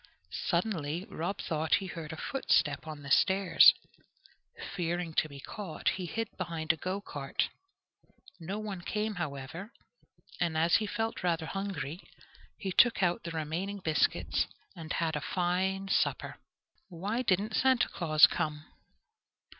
Suddenly Rob thought he heard a footstep on the stairs. Fearing to be caught, he hid behind a go cart. No one came, however, and as he felt rather hungry, he took out the remaining biscuits and had a fine supper. Why didn't Santa Claus come?